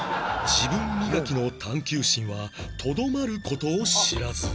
自分磨きの探究心はとどまる事を知らず